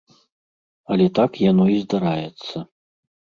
Але так яно і здараецца.